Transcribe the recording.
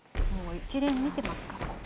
もう一連見てますから。